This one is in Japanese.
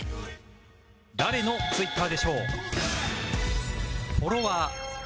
誰の Ｔｗｉｔｔｅｒ でしょう？